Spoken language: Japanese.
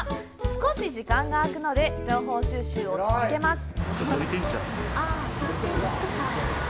少し時間が空くので、情報収集を続けます！